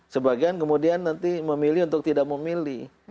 sebagian kemudian nanti memilih untuk tidak memilih